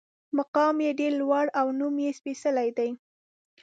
مقام یې ډېر لوړ او نوم یې سپېڅلی دی.